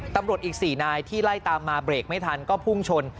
ตำรวจอีก๔นายที่ไล่ตามมาเบรกไม่ทันก็พุ่งชน